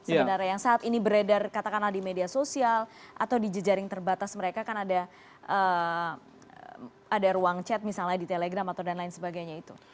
sebenarnya yang saat ini beredar katakanlah di media sosial atau di jejaring terbatas mereka kan ada ruang chat misalnya di telegram dan lain sebagainya itu